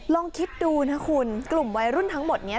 ลองคิดดูนะคุณกลุ่มวัยรุ่นทั้งหมดนี้